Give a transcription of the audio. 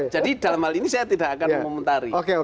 jadi dalam hal ini saya tidak akan komentari